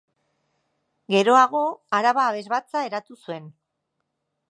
Geroago, Araba Abesbatza eratu zuen.